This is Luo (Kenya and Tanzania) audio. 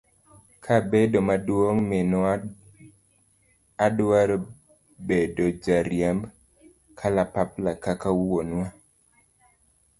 kabedo maduong' minwa adwaro bedo jariemb kalapapla kaka wuonwa.